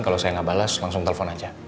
kalau saya gak balas langsung telepon aja